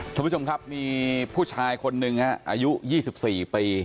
ทุกผู้ชมครับมีผู้ชายคนนึงอายุ๒๔ปี